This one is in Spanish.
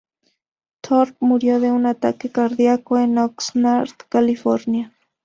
Thorp murió de un ataque cardíaco en Oxnard, California.